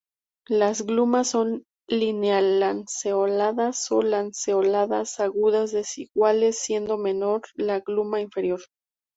Las glumas son lineal-lanceoladas o lanceoladas, agudas, desiguales, siendo menor la gluma inferior.